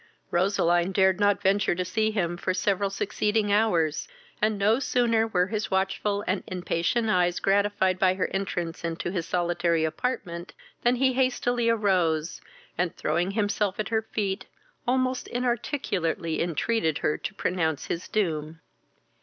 Roseline dared not venture to see him for several succeeding hours, and no sooner were his watchful and inpatient eyes gratified by her entrance into his solitary apartment, than he hastily arose; and, throwing himself at her feet, almost inarticulately entreated her to pronounce his doom.